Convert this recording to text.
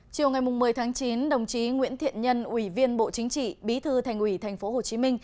chiều ngày một mươi tháng chín đồng chí nguyễn thiện nhân ủy viên bộ chính trị bí thư thành ủy tp hcm